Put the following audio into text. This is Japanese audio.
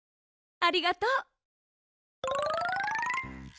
ありがとう。